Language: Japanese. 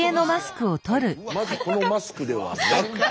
まずこのマスクではなくて。